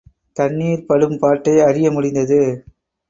தண்ணீர் படும் பாட்டை அறிய முடிந்தது.